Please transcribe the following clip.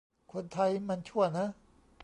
คนไทยมันชั่วเนอะ